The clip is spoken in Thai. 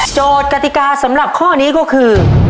กติกาสำหรับข้อนี้ก็คือ